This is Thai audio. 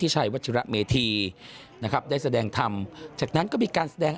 ชัยวัชิระเมธีนะครับได้แสดงธรรมจากนั้นก็มีการแสดง